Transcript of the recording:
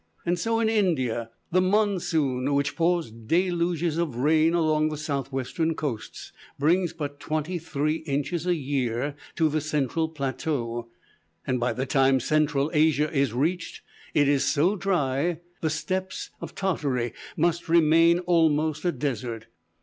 So in India the monsoon which pours deluges of water along the southwestern coasts, brings but twenty three inches a year to the central plateau; and by the time Central Asia is reached, it is so dry the steppes of Tartary must remain almost a desert.